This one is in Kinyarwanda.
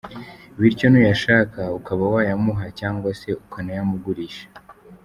Bityo n’uyashaka ukaba wayamuha cyangwa se ukanayamugurisha.